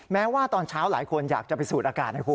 แม้ว่าตอนเช้าหลายคนอยากจะไปสูดอากาศนะคุณ